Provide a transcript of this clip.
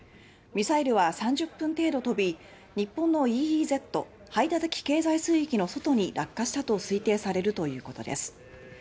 ミサイルは３０分程度飛び日本のＥＥＺ・排他的経済水域の外に落下したと推定されるいうことです。